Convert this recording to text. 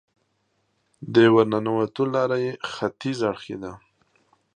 د ورننوتو لاره یې ختیځ اړخ کې ده.